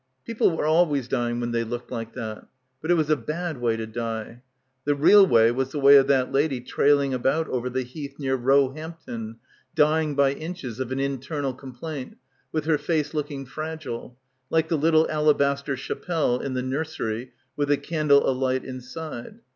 People were always dying when they looked like that. But it was a bad way to die. The real way was the way of that lady trailing about over die Heath near Roehampton, dying by inches of an in ternal complaint, with her face looking fragile — like the little alabaster chapelle in the nursery with a candle alight inside.